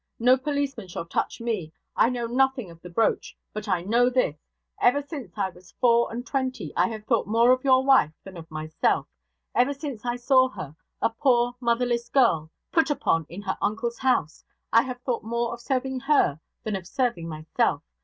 No policeman shall touch me. I know nothing of the brooch, but I know this: ever since I was four and twenty, I have thought more of your wife than of myself: ever since I saw her, a poor motherless girl, put upon in her uncle's house, I have thought more of serving her than of serving myself!